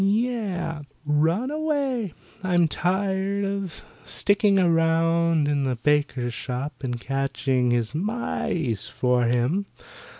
"Yeh! Run away. I'm tired of sticking around in the baker's shop and catching his mice for him.